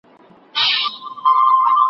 د ماشومانو د ساتني قوانین موجود وو.